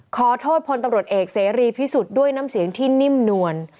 ขอโทษพลตำรวจเอกเสรีพิสุทธิ์ด้วยน้ำเสียงที่นิ่มนวล